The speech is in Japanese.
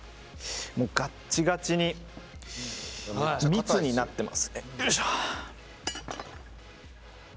ガッチガチに密になってますね。